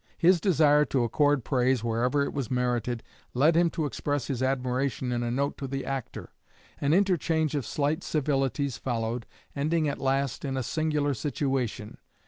His desire to accord praise wherever it was merited led him to express his admiration in a note to the actor. An interchange of slight civilities followed, ending at last in a singular situation.